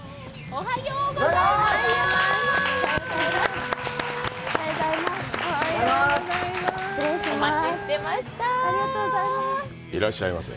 おはようございます。